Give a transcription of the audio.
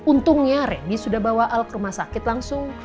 untungnya randy sudah bawa el ke rumah sakit langsung